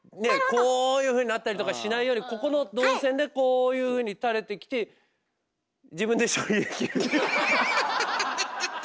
こういうふうになったりとかしないようにここの動線でこういうふうにたれてきてアッハッハッハッ！